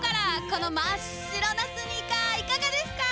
この真っ白なスニーカーいかがですか？